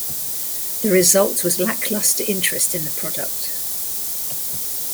The result was lackluster interest in the product.